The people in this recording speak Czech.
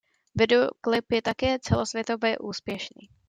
Videoklip je také celosvětově úspěšný.